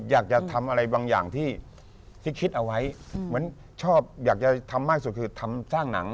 อยากจะทำอะไรบางอย่างที่คิดเอาไว้เหมือนชอบอยากจะทำมากสุดคือทำสร้างหนัง